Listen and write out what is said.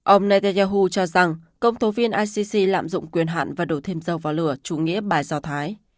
ông netanyahu cho rằng công tố viên icc lạm dụng quyền hạn và đổ thêm dầu vào lửa chủ nghĩa bài do thái